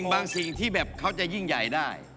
สิ่งที่แบบเขาจะยิ่งใหญ่ได้